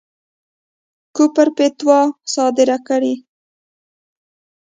د کُفر فتواوې صادري کړې.